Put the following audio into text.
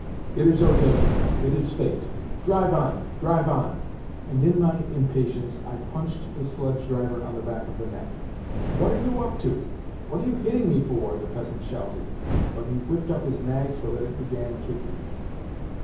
" It is ordained ! It is fate ! Drive on, drive on !" And in my impatience I punched the sledge driver on the back of the neck. " What are you up to ? What are you hitting me for ?" the peasant shouted, but he whipped up his nag so that it began kicking.